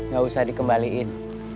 gak usah dikembalikan